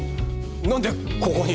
なんでここに？